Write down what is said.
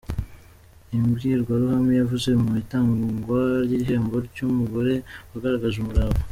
Imbwirwaruhame yavuze mu itangwa ry’igihembo cy’umugore wagaragaje umurava.